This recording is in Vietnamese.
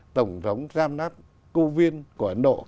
tổng thống giam nắp covid của ấn độ